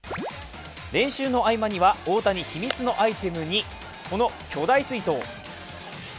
練習の合間には大谷秘密のアイテム２、この巨大水筒。